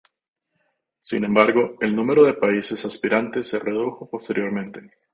Sin embargo, el número de países aspirantes se redujo posteriormente.